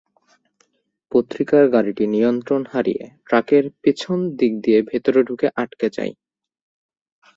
পত্রিকার গাড়িটি নিয়ন্ত্রণ হারিয়ে ট্রাকের পেছন দিক দিয়ে ভেতরে ঢুকে আটকে যায়।